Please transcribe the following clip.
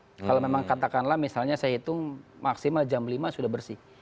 kalau memang katakanlah misalnya saya hitung maksimal jam lima sudah bersih